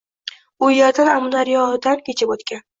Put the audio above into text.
U yerdan Amudaryodan kechib oʻtgan.